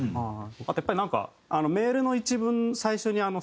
あとやっぱりなんかメールの一文。